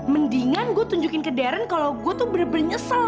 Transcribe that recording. mendingan gue tunjukin ke darren kalo gue tuh bener bener nyesel ya